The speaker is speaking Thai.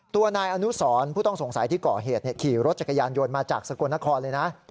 ตัวนายอนุสรผู้ต้องสงสัยที่ก่อเหตุขี่รถจักรยานยนต์มาจากสกลนครเลยนะ